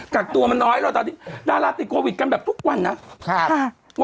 กักตัวมันน้อยเราตอนนี้ดาราติดโควิดกันแบบทุกวันนะครับ